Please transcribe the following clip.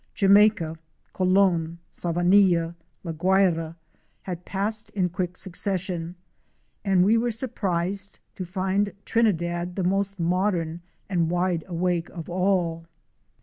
Jamaica, Colon, Savanilla, La Guayra had passed in quick succession, and we were surprised to find Trinidad the most modern and wide awake of all.